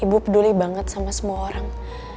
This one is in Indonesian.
ibu peduli banget sama semua orang